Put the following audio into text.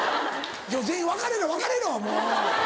全員別れろ別れろもう！